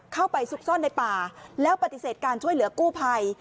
ซุกซ่อนในป่าแล้วปฏิเสธการช่วยเหลือกู้ภัย